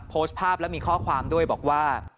โพสต์ภาพและมีข้อความด้วยบอกว่า